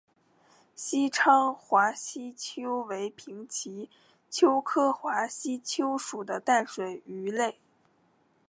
西昌华吸鳅为平鳍鳅科华吸鳅属的淡水鱼类。